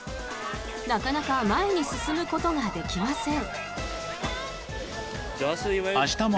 なかなか前に進むことができません。